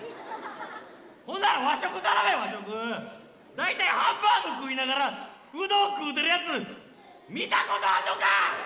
大体ハンバーグ食いながらうどん食うてるやつ見たことあんのか！